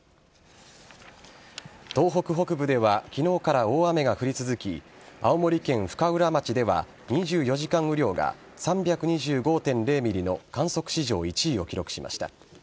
東北北部では昨日から大雨が降り続き青森県深浦町では２４時間雨量が３２５．０ｍｍの観測史上１位を記録しました。